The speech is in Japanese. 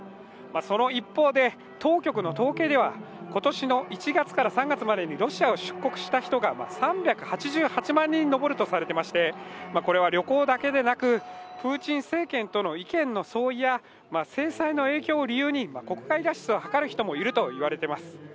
その一方で当局の統計では今年の１月から３月までにロシアを出国した人が３８８万人に上るとされてまして、これは旅行だけでなくプーチン政権との意見の相違や制裁の影響を理由に国外脱出を図る人もいるといわれています。